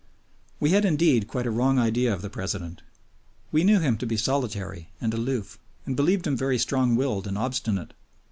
We had indeed quite a wrong idea of the President. We knew him to be solitary and aloof, and believed him very strong willed and obstinate.